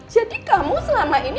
jadi kamu selama ini